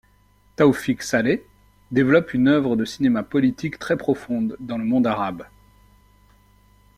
Tawfiq Saleh développe une œuvre de cinéma politique très profonde dans le monde arabe.